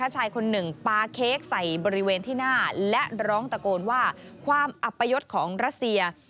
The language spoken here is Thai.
ชายคนหนึ่งปาเค้กใส่บริเวณที่หน้าและร้องตะโกนว่าความอัปยศของรัสเซีย